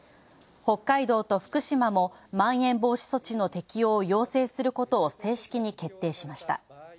北海道と福島もまん延防止措置の適用を要請することを正式に決定しました。